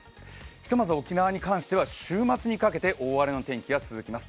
ひとまず沖縄にかけては週末にかけて大荒れの天気が続きます。